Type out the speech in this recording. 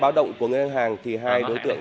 báo động của ngân hàng thì hai đối tượng